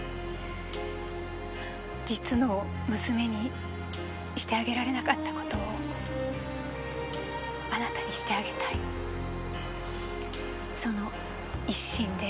実の娘にしてあげられなかったことをあなたにしてあげたいその一心で。